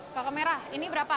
kakep merah ini berapa